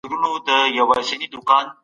د ګنجوالي مخنیوی ممکن دی.